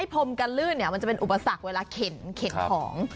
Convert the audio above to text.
พรมกันลื่นมันจะเป็นอุปสรรคเวลาเข็นของ